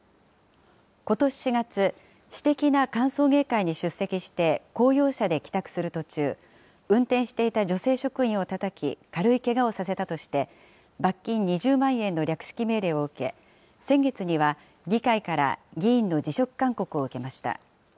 ことし４月、私的な歓送迎会に出席して公用車で帰宅する途中、運転していた女性職員をたたき、軽いけがをさせたとして、罰金２０万円の略式命令を受け、先月には、議会から議員の辞職勧告を受けました。